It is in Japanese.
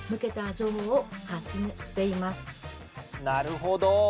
なるほど。